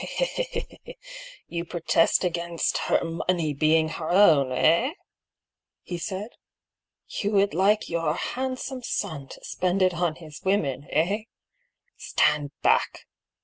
"You protest against her money being her own, eh ?" he said. " You would like your handsome son to spend it on his women, eh? Stand back!"